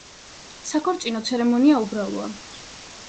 საქორწინო ცერემონია უბრალოა.